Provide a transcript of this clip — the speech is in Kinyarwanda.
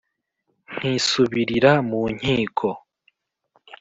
Nkisubirira mu nkiko